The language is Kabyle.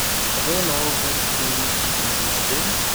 Tɣileḍ akken i xeddmen medden?